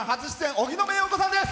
荻野目洋子さんです。